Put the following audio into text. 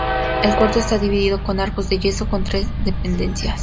El cuarto está dividido con arcos de yeso en tres dependencias.